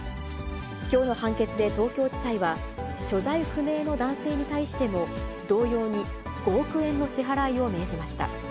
きょうの判決で東京地裁は、所在不明の男性に対しても、同様に５億円の支払いを命じました。